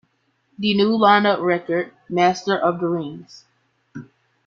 The new lineup recorded "Master of the Rings".